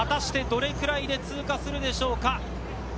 どれくらいで通過するでしょうか？